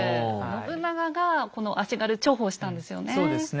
信長がこの足軽重宝したんですよね。